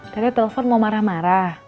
karena telepon mau marah marah